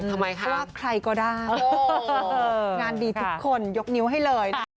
ทำไมคะว่าใครก็ได้งานดีทุกคนยกนิ้วให้เลยนะคะ